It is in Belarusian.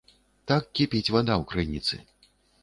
Так кіпіць вада ў крыніцы.